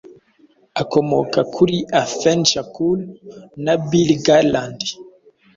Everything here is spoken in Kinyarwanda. Akomoka kuri , Afeni Shakur na Billy Garland.